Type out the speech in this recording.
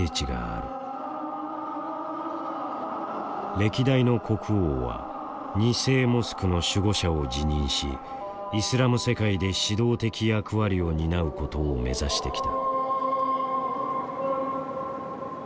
歴代の国王は「二聖モスクの守護者」を自認しイスラム世界で指導的役割を担うことを目指してきた。